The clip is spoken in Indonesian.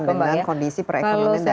dengan kondisi perekonomian daerahnya sendiri